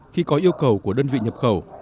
khi có yêu cầu của đơn vị nhập khẩu